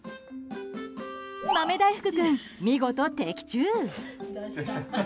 豆大福君、見事的中。